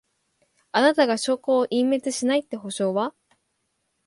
あなたが証拠を隠滅しないって保証は？